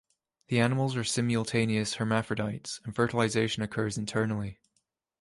The animals are simultaneous hermaphrodites, and fertilization occurs internally.